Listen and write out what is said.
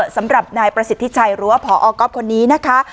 สำหรับนายประสิทธิชัยหรือว่าพอก๊อฟคนนี้นะคะ